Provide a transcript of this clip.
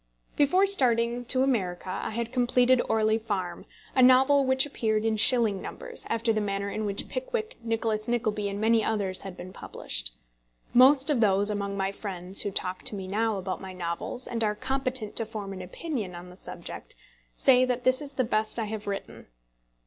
Before starting to America I had completed Orley Farm, a novel which appeared in shilling numbers, after the manner in which Pickwick, Nicholas Nickleby, and many others had been published. Most of those among my friends who talk to me now about my novels, and are competent to form an opinion on the subject, say that this is the best I have written.